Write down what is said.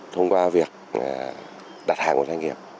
thông qua việc đặt hàng của doanh nghiệp